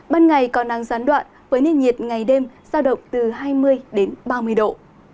ban ngày còn đang gián đoạn với nền nhiệt ngày đêm giao động từ hai mươi ba mươi độ